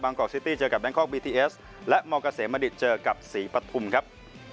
กอกซิตี้เจอกับแบงคอกบีทีเอสและมเกษมณิตเจอกับศรีปฐุมครับ